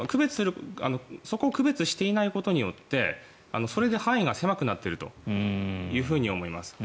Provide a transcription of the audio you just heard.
そこを区別していないことによってそれで範囲が狭くなっているというふうに思います。